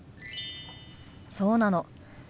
そうなの。